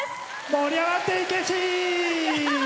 盛り上がっていけし！